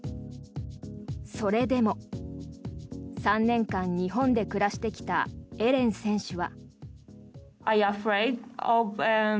それでも、３年間日本で暮らしてきたエレン選手は。